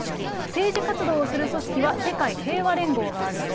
政治活動をする組織は世界平和連合があると。